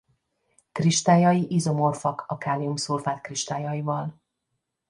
Kristályai izomorfak a kálium-szulfát kristályaival.